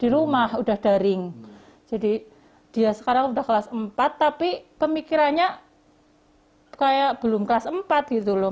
di rumah udah daring jadi dia sekarang udah kelas empat tapi pemikirannya kayak belum kelas empat gitu loh